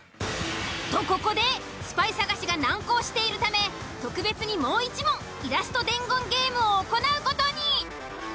とここでスパイ探しが難航しているため特別にもう１問イラスト伝言ゲームを行う事に。